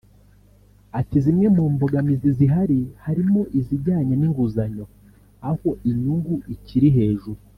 Ati “Zimwe mu mbogamizi zihari harimo izijyanye n’inguzanyo aho inyungu ikiri hejuru